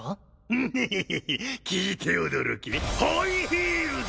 フヒヒヒヒ聞いて驚けハイヒールだ！